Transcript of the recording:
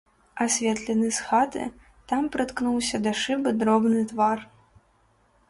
Асветлены з хаты, там прыткнуўся да шыбы дробны твар.